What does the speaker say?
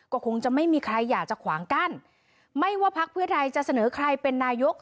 ก็คงจะไม่มีใครอยากจะขวางกั้นไม่ว่าพักเพื่อไทยจะเสนอใครเป็นนายก